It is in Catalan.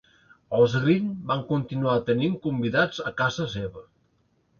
Els Green van continuar tenint convidats a casa seva.